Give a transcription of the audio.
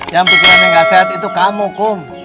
yang pikiran yang gak sehat itu kamu kung